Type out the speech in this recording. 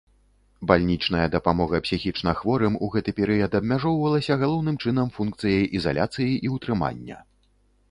Бальнічная дапамога псіхічнахворым у гэты перыяд абмяжоўвалася галоўным чынам функцыяй ізаляцыі і ўтрымання.